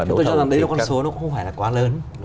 chúng tôi cho rằng đấy là con số nó cũng không phải là quá lớn